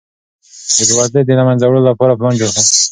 د بېوزلۍ د له منځه وړلو لپاره پلان جوړیږي.